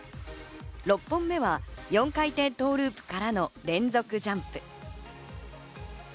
６本目は４回転トーループからの連続ジャンプ。